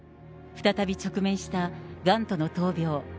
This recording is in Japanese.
再び直面したがんとの闘病。